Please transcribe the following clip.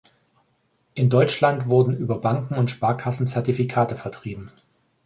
In Deutschland wurden über Banken und Sparkassen Zertifikate vertrieben.